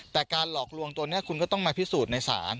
แต่การหลอกลวงตัวนี้คุณก็ต้องมาพิสูจน์ในศาล